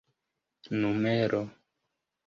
numero